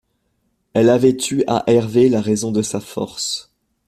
Elle avait tu à Hervé la raison de sa force.